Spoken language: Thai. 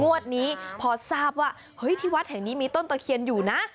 งวดนี้พอทราบว่าเฮ้ยที่วัดแห่งนี้มีต้นตะเคียนอยู่นะ